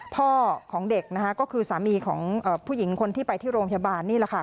พ่อของเด็กนะคะก็คือสามีของผู้หญิงคนที่ไปที่โรงพยาบาลนี่แหละค่ะ